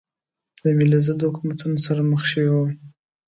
د ملي ضد حکومتونو سره مخ شوې وې.